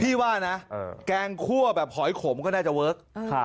ว่านะแกงคั่วแบบหอยขมก็น่าจะเวิร์ค